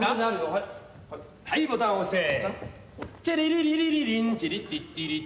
はい、ボタン押して。